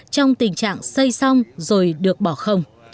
trong tình trạng xây xong rồi được bỏ không